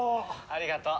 ありがとう。